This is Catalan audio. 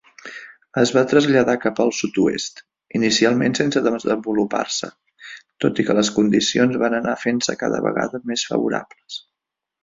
Es va traslladar cap al sud-oest, inicialment sense desenvolupar-se, tot i que les condicions van anar fent-se cada vegada més favorables.